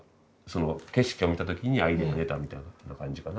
その景色を見た時にアイデアが出たみたいな感じかな。